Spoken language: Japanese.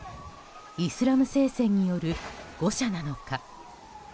イスラム聖戦による誤射なのか。